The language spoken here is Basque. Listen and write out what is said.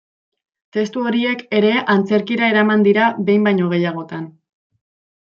Testu horiek ere antzerkira eraman dira behin baino gehiagotan.